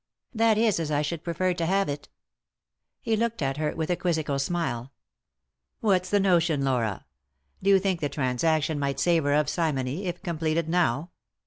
"That is as I should prefer to have it." He looked at her with a quizzical smile. " What's the notion, Laura ? Do you think the transaction might savour of simony if completed now